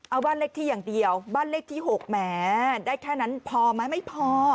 เอาบ้านเลขที่อย่างเดียวบ้านเลขที่๖แหมได้แค่นั้นพอไหมไม่พอ